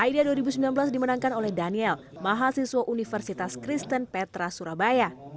aida dua ribu sembilan belas dimenangkan oleh daniel mahasiswa universitas kristen petra surabaya